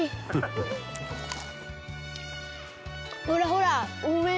ほらほら。